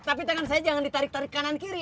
tapi tangan saya jangan ditarik tarik kanan kiri